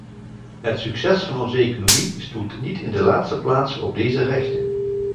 Het succes van onze economie stoelt niet in de laatste plaats op deze rechten.